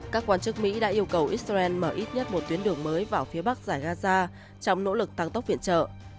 các quan chức mỹ đã yêu cầu israel mở ít nhất một tuyến đường mới vào phía bắc giải gaza trong nỗ lực tăng tốc viện trợ